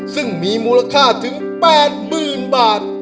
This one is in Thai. ซึ่งมีมูลค่าถึงแปดหมื่นบาท